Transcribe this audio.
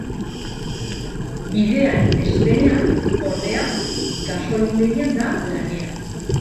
Bidean ez denean, ordea, gasolindegian da lanean.